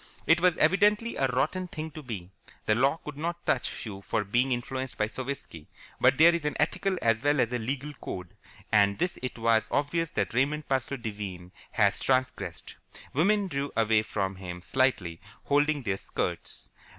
It was evidently a rotten thing to be. The law could not touch you for being influenced by Sovietski, but there is an ethical as well as a legal code, and this it was obvious that Raymond Parsloe Devine had transgressed. Women drew away from him slightly, holding their skirts.